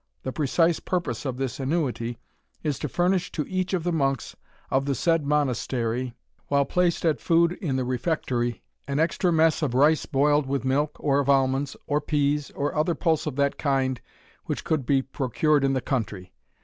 The precise purpose of this annuity is to furnish to each of the monks of the said monastery, while placed at food in the refectory, an extra mess of rice boiled with milk, or of almonds, or peas, or other pulse of that kind which could be procured in the country.